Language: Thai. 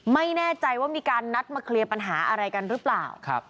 ไม่แน่ใจว่ามีการนัดมาเคลียร์ปัญหาอะไรกันหรือเปล่า